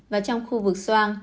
và trong khu vực soan